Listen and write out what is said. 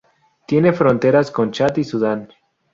Tiene fronteras con Chad y Sudán.